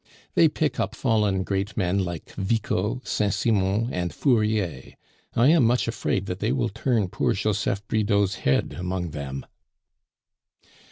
They pick up fallen great men like Vico, Saint Simon, and Fourier. I am much afraid that they will turn poor Joseph Bridau's head among them."